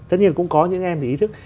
tất nhiên cũng có những em ý thức